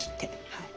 はい。